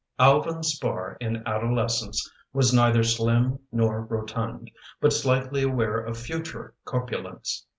"Alvin Spar in adolescence Was neither slim nor rotund, But slightly aware of future corpulence.